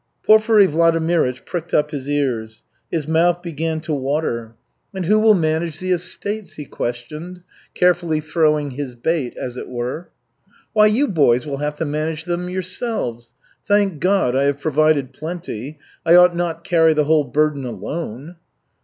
Porfiry Vladimirych pricked up his ears. His mouth began to water. "And who will manage the estates?" he questioned, carefully throwing his bait, as it were. "Why, you boys will have to manage them yourselves. Thank God, I have provided plenty. I ought not carry the whole burden alone."